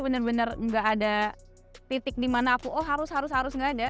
bener bener nggak ada titik di mana aku harus harus nggak ada